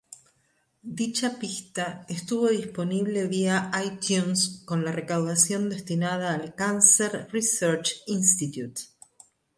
Dicha pista estuvo disponible vía iTunes con la recaudación destinada al Cancer Research Institute.